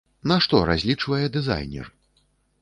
На што разлічвае дызайнер?